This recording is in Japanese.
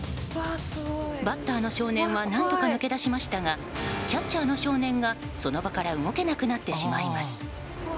バッターの少年は何とか抜け出しましたがキャッチャーの少年がその場から動けなくなってしまいます。